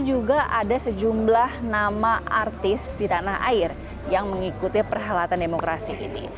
juga ada sejumlah nama artis di tanah air yang mengikuti perhelatan demokrasi ini